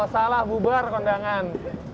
salah bubar kondangan